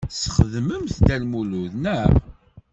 Tesxedmemt Dda Lmulud, naɣ?